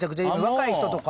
若い人とか。